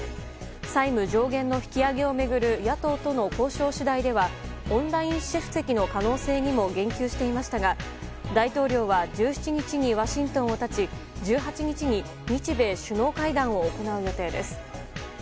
債務上限の引き上げを巡る野党との交渉次第ではオンライン出席の可能性にも言及していましたが大統領は１７日にワシントンを発ち１８日に日米首脳会談を行う予定です。